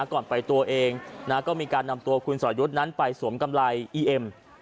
ก่อนไปตัวเองนะก็มีการนำตัวคุณสอยุทธ์นั้นไปสวมกำไรอีเอ็ม